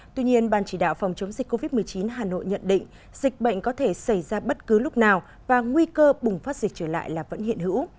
tuy nhiên ban chỉ đạo phòng chống dịch covid một mươi chín hà nội nhận định dịch bệnh có thể xảy ra bất cứ lúc nào và nguy cơ bùng phát dịch trở lại là vẫn hiện hữu